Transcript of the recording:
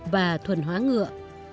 và thuần hóa ngựa